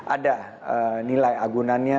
ada nilai agunannya